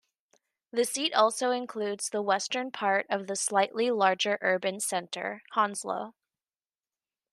The seat also includes the western part of the slightly larger urban centre, Hounslow.